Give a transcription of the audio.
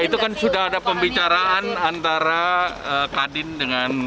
ya itu kan sudah ada pembicaraan antara kadin dengan tenaga kerja